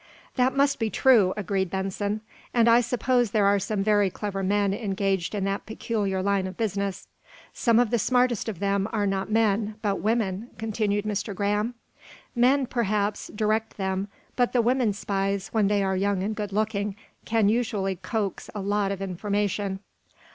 "That must be true," agreed Benson. "And I suppose there are some very clever men engaged in that peculiar line of business." "Some of the smartest of them are not men, but women," continued Mr. Graham. "Men, perhaps, direct them, but the women spies, when they are young and good looking, can usually coax a lot of information."